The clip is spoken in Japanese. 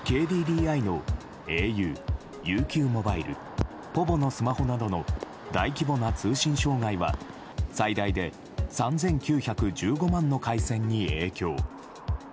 ＫＤＤＩのａｕ、ＵＱモバイルｐｏｖｏのスマホなどの大規模な通信障害は最大で３９１５万の回線に影響。